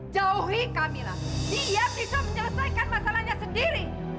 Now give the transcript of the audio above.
jauhi kamilah dia bisa menyelesaikan masalahnya sendiri